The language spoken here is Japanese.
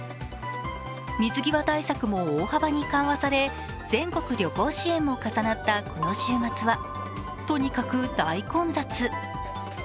水際対策も大幅に緩和され全国旅行支援も重なったこの週末は、とにかく大混雑。